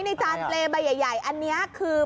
ในจานเลใบใหญ่อันนี้คือ